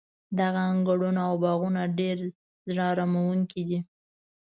دغه انګړونه او باغونه ډېر زړه اراموونکي دي.